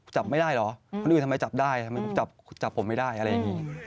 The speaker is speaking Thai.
จับไม่ได้เหรอคนอื่นทำไมจับได้ทำไมผมจับผมไม่ได้อะไรอย่างนี้